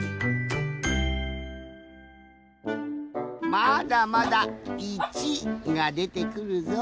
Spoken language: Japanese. まだまだ一がでてくるぞ。